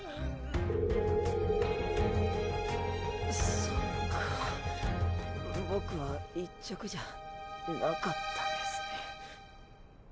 そっかボクは１着じゃなかったんですね。